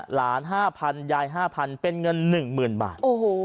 หลาน๕๐๐๐ยาย๕๐๐๐เป็นเงิน๑๐๐๐๐บาท